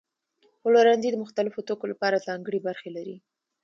پلورنځي د مختلفو توکو لپاره ځانګړي برخې لري.